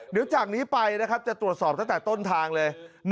เดี๋ยวจากนี้ไปจะตรวจสอบตั้งแต่ต้นทางเลย